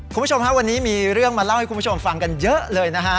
คุณผู้ชมฮะวันนี้มีเรื่องมาเล่าให้คุณผู้ชมฟังกันเยอะเลยนะฮะ